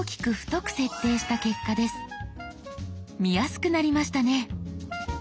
見やすくなりましたね。